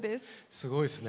すごいっすね。